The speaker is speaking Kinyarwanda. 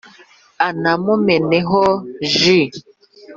ana mumenaho jus